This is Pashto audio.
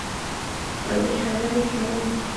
عادي خبرې کول